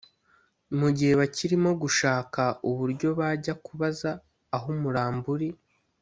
Mugihe bakirimo gushaka uburyo bajya kubaza aho umurambo uri